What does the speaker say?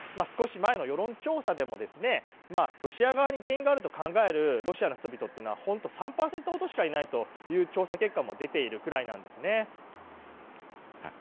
少し前の世論調査でもロシア側に原因があると考えるロシアの人々というのは３％ほどしかいないという調査結果も出ているくらいです。